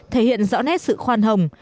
thể hiện rõ nét sự khoan hồng